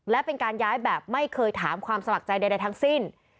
และเป็นการย้ายแบบไม่เคยถามความสมัครใจใดทั้งสิ้น